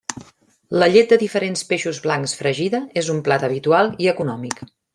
La llet de diferents peixos blancs fregida és un plat habitual i econòmic.